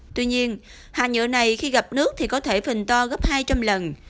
tuy nhiên hạt nhựa này khi gặp nước thì có thể phình to gấp hai trăm linh lần